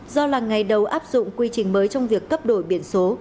do là ngày đầu áp dụng quy trình mới trong việc cấp đổi biển số